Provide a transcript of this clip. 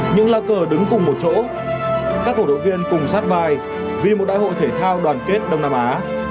những lá cờ đứng cùng một chỗ các cổ động viên cùng sát mai vì một đại hội thể thao đoàn kết đông nam á